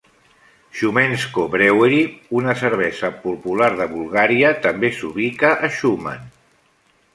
Shumensko Brewery, una cervesa popular de Bulgària, també s'ubica a Shumen.